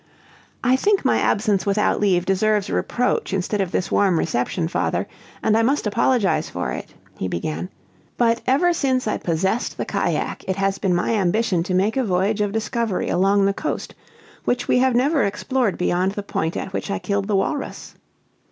"I think my absence without leave deserves reproach instead of this warm reception, father, and I must apologize for it," he began. "But ever since I possessed the cajack it has been my ambition to make a voyage of discovery along the coast, which we have never explored beyond the point at which I killed the walrus.